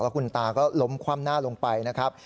คุณตาก็ล้มคว่ำหน้าลงไปนะครับ